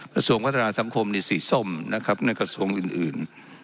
กระทรวงพัฒนาสังคมสีส้มนะครับในกระทรวงอื่น